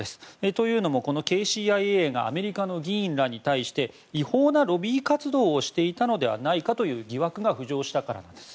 というのもＫＣＩＡがアメリカの議員に対して違法なロビー活動をしていたのではないかという疑惑が浮上したからです。